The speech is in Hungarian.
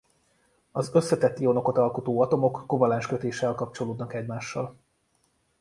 Az összetett ionokat alkotó atomok kovalens kötéssel kapcsolódnak egymással.